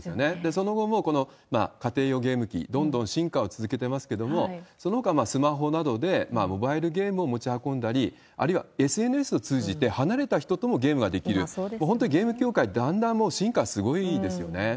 その後も、家庭用ゲーム機、どんどん進化を続けてますけれども、そのほか、スマホなどでモバイルゲームを持ち運んだり、あるいはＳＮＳを通じて、離れた人ともゲームができる、本当にゲーム業界、だんだんもう、進化すごいですよね。